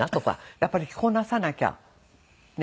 やっぱり着こなさなきゃね